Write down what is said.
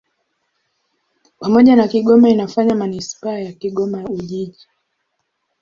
Pamoja na Kigoma inafanya manisipaa ya Kigoma-Ujiji.